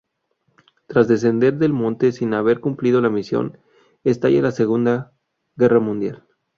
Tras descender del monte sin haber cumplido la misión, estalla la Segunda Guerra Mundial.